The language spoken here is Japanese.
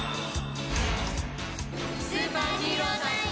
スーパーヒーロータイム！